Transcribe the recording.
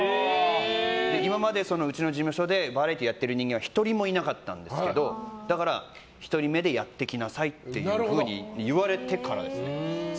今まで、うちの事務所でバラエティーやってる人間は１人もいなかったんですけどだから、１人目でやっていきなさいというふうに言われてからですね。